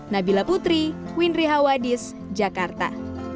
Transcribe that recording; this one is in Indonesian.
nabila putri windri hawadis jakarta